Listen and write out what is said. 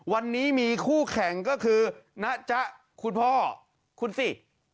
วันนี้มีคู่แข่งก็คือนะจ๊ะคุณพ่อคุณสิ